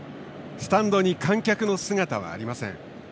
スタンドに観客の姿はありません。